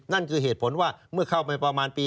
นั่นคือเหตุผลว่าเมื่อเข้าไปประมาณปี